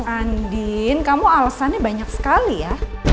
andin kamu alasannya banyak sekali ya